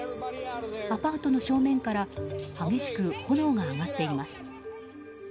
アパートの正面から激しく炎が上がっています。